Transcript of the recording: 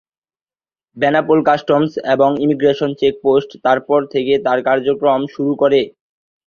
Benapole customs এবং immigration check post তারপর থেকে তার কার্যক্রম শুরু করে।